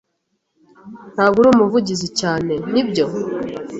Ntabwo uri umuvugizi cyane, nibyo?